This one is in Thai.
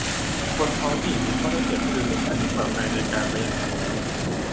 คนท้องถิ่นมีข้อได้เปรียบที่รู้เส้นทางที่ปลอดภัยในการไปยังหนองน้ำ